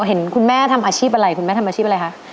เห็นคุณแม่ทำอาชีพอะไรคุณแม่ทำอาชีพอะไรคะ